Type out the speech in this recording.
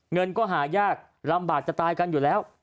เงินก็หายากลำบากจะตายกันอยู่แล้ว